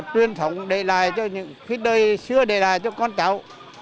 truyền thống để lại cho những cái đời xưa để lại cho con cháu